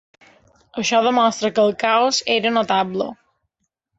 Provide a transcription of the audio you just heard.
Això demostra que el caos era notable.